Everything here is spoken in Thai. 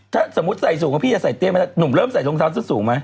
ถ้าสมมุติใส่สูงกว่าพี่จะใส่เตี้ยไม่ได้หนุ่มเริ่มใส่รองเท้าสุดสูงไหม